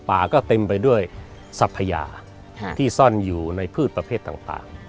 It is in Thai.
ก็เต็มไปด้วยทรัพพยาที่ซ่อนอยู่ในพืชประเภทต่าง